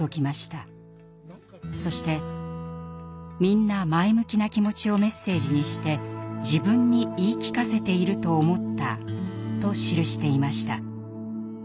そして「みんな前向きな気持ちをメッセージにして自分に言い聞かせていると思った」と記していました。